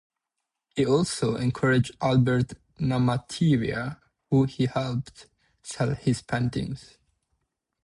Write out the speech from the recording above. He also encouraged Albert Namatjira who he helped sell his paintings.